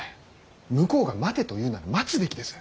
向こうが待てと言うなら待つべきです。